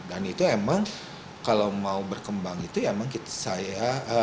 dan itu emang kalau mau berkembang itu emang kita saya